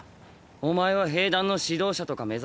⁉お前は兵団の指導者とか目指せよ。